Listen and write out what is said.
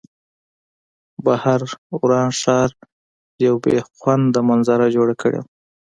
بهر وران ښار یوه بې خونده منظره جوړه کړې وه